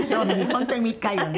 本当に密会よね。